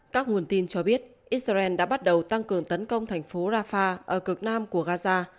các nguồn tin cho biết israel đã bắt đầu tăng cường tấn công thành phố rafah ở cực nam của gaza